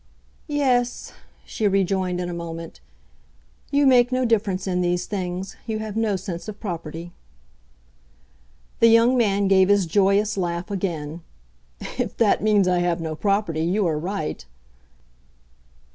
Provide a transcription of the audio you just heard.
"Yes," she rejoined in a moment, "you make no difference in these things. You have no sense of property." The young man gave his joyous laugh again. "If that means I have no property, you are right!"